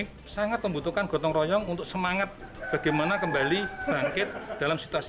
ini sangat membutuhkan gotong royong untuk semangat bagaimana kembali bangkit dalam situasi